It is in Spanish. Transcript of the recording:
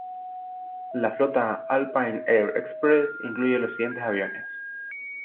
La flota Alpine Air Express incluye los siguientes aviones.